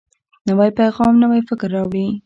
نوی پیغام نوی فکر راوړي